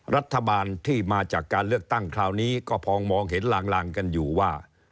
รัฐบาลที่มาจากการเลือกตั้งคราวนี้ก็พอมองเห็นลางกันอยู่ว่า